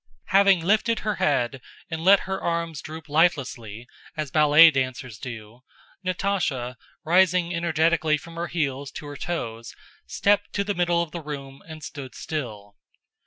Having lifted her head and let her arms droop lifelessly, as ballet dancers do, Natásha, rising energetically from her heels to her toes, stepped to the middle of the room and stood still.